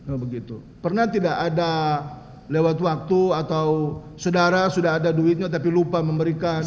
oh begitu pernah tidak ada lewat waktu atau saudara sudah ada duitnya tapi lupa memberikan